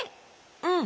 うん。